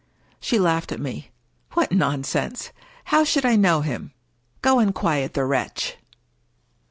She laughed at me. " What nonsense 1 How should I know him? Go and quiet the wretch."